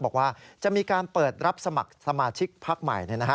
บอกว่าจะมีการเปิดรับสมัครสมาชิกพักใหม่